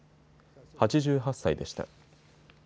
８８歳でした。